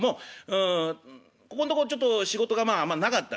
うんここんとこちょっと仕事があんまなかったんですね